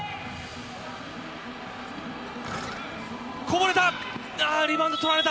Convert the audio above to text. こぼれた！